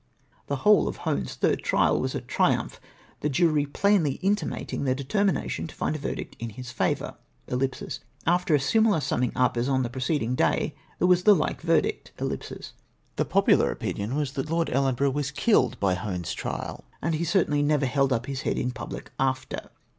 The whole of Hone's third trial was a triumph, the jury plainly intimating theu' determination to find a verdict in his favour. After a similar summing up as on the preceding day, there Avas the like verdict. The popular opinion was, that Lord Ellenborough was killed by Hone's trial, and he certainly never held up his head in public after."